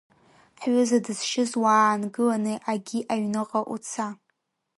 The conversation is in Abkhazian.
Ҳҩыза дызшьыз уаангыланы агьи аҩныҟа уца.